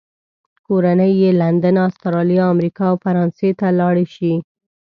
کورنۍ یې لندن، استرالیا، امریکا او فرانسې ته لاړې شي.